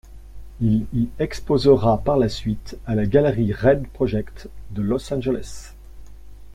Il y exposera par la suite à la galerie Raid Project de Los Angeles.